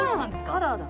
カラーだ。